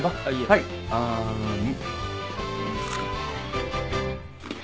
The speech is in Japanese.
はいあん。